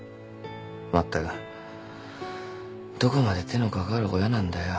まったくどこまで手のかかる親なんだよ。